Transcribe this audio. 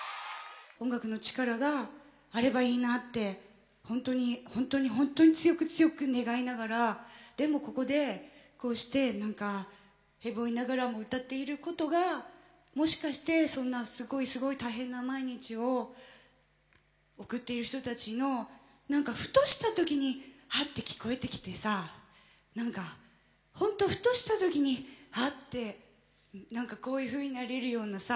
音楽の力があればいいなってほんとにほんとにほんとに強く強く願いながらでもここでこうして何かへぼいながらも歌っていることがもしかしてそんなすごいすごい大変な毎日を送っている人たちの何かふとした時にハッて聞こえてきてさ何かほんとふとした時にハッてこういうふうになれるようなさ